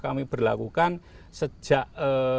kami berlakukan sejak